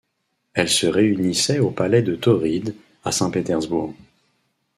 Elle se réunissait au palais de Tauride, à Saint-Pétersbourg.